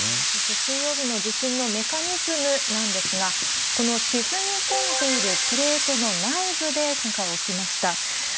そして、水曜日の地震のメカニズムなんですが、この沈み込んでいるプレートの内部で、今回、起きました。